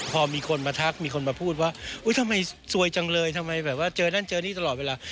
พอมีคนมาทักมีคนมาพูดว่าทำไมซวยจังเลยทำไมแบบว่าเจอนั่นเจอนี่ตลอดเวลา